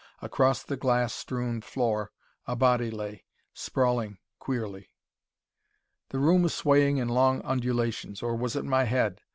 Across the glass strewn floor a body lay, sprawling queerly. The room was swaying in long undulations, or was it my head?